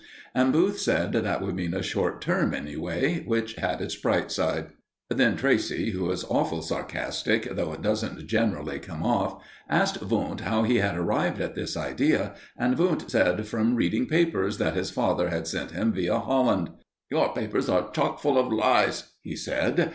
And Booth said that would mean a short term, anyway, which had its bright side. Then Tracey, who is awful sarcastic, though it doesn't generally come off, asked Wundt how he had arrived at this idea, and Wundt said from reading papers that his father had sent him via Holland. "Your papers are chockful of lies," he said.